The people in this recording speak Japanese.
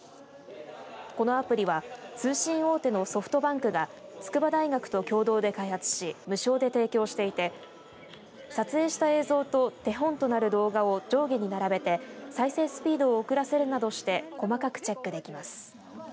このアプリは通信大手のソフトバンクが筑波大学と共同で開発し無償で提供していて撮影した映像と手本となる動画を上下に並べて再生スピードを遅らせるなどして細かくチェックできます。